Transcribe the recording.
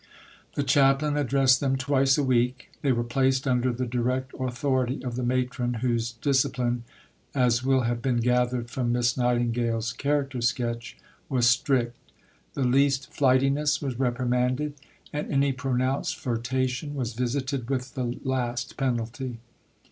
The chaplain addressed them twice a week. They were placed under the direct authority of the Matron, whose discipline (as will have been gathered from Miss Nightingale's character sketch) was strict. The least flightiness was reprimanded, and any pronounced flirtation was visited with the last penalty.